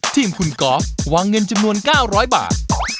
ทีมคุณกอล์ฟวางเงินจำนวน๙๐๐บาท